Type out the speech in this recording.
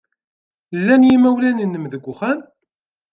Llan yimawlan-nnem deg uxxam?